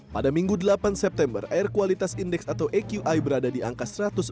pada minggu delapan september air kualitas indeks atau aqi berada di angka satu ratus empat puluh